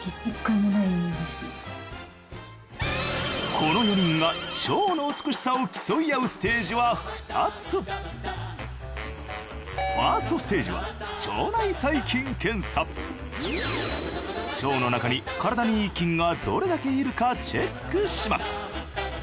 この４人が腸の美しさを競い合うステージは２つ腸の中に体にいい菌がどれだけいるかチェックします。